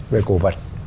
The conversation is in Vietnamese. về cổ vật